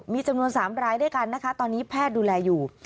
มีจำนวน๓รายด้วยกันนะคะตอนนี้แพทย์ดูแลอยู่